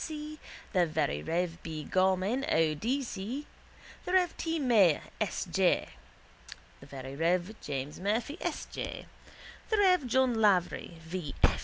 S. F. C.; the very rev. B. Gorman, O. D. C.; the rev. T. Maher, S. J.; the very rev. James Murphy, S. J.; the rev. John Lavery, V.